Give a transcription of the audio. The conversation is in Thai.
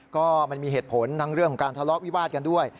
ก็มันมีเหตุผลทั้งเรื่องของการทะเลาะวิวาดกันด้วย